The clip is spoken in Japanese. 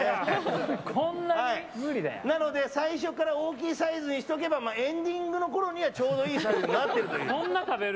なので、最初から大きいサイズにしておけばエンディングのころにはちょうどいいサイズになるという。